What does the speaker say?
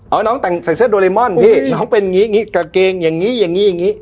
เอาน้องแต่งใส่เส้นโดรีมอนด์พี่น้องเป็นงี้งี้กาเกงอย่างงี้อย่างงี้อย่างงี้